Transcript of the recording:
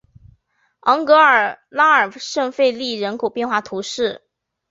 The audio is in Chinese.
昂格拉尔圣费利人口变化图示